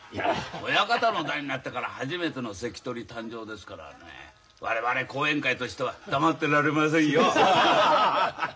親方の代になってから初めての関取誕生ですからね我々後援会としては黙ってられませんよ。